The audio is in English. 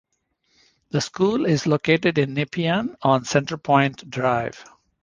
The school is located in Nepean on Centrepointe Drive.